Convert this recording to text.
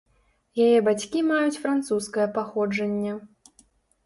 Яе бацькі маюць французскае паходжанне.